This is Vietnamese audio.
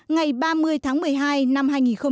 ngày ba mươi tháng một mươi hai năm hai nghìn một mươi chín